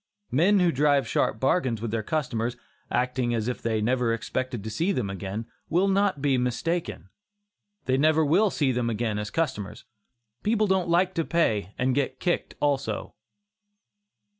Men who drive sharp bargains with their customers, acting as if they never expected to see them again, will not be mistaken. They never will see them again as customers. People don't like to pay and get kicked also.